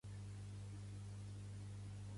Marlow és un xicot que juga a Lyndon Davies.